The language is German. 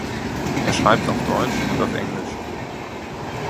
Er schreibt auf Deutsch und auf Englisch.